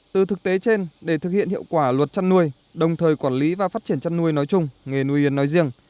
từ thực tế trên để thực hiện hiệu quả luật chăn nuôi đồng thời quản lý và phát triển chăn nuôi nói chung nghề nuôi yến nói riêng